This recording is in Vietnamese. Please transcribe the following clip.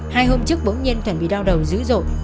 hai hôm trước bỗng nhiên thuần bị đau đầu dữ dội